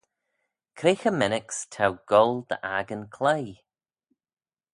Cre cho mennick's t'ou goll dy 'akin cloie?